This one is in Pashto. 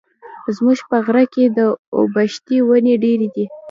زموږ په غره کي د اوبښتي وني ډېري دي.